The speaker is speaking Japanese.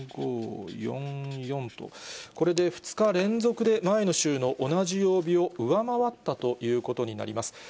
４５４４と、これで２日連続で前の週の同じ曜日を上回ったということになります。